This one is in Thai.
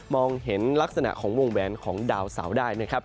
มองเห็นลักษณะของวงแบนของดาวเสได้